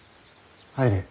・入れ。